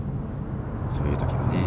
そういうときはね。